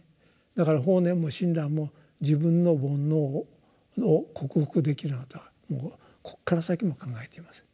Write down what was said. だから法然も親鸞も自分の煩悩を克服できるなんてことはこっから先も考えていません。